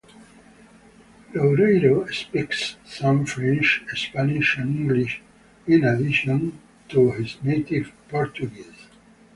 Loureiro speaks some French, Spanish, and English in addition to his native Portuguese.